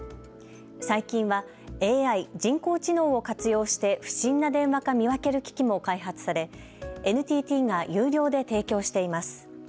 最近はＡＩ・人工知能を活用して不審な電話か見分ける機器も開発され、ＮＴＴが有料で提供しています。